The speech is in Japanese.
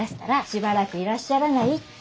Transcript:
しばらくいらっしゃらないって。